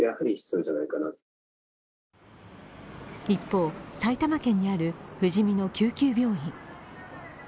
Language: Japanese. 一方、埼玉県にあるふじみの救急病院。